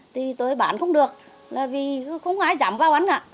thì tôi bán không được là vì không ai dám vào bán cả